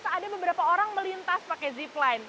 seandainya beberapa orang melintas pakai zipline